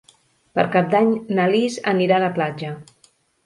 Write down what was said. Per Cap d'Any na Lis anirà a la platja.